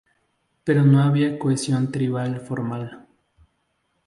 Pero no había cohesión tribal formal.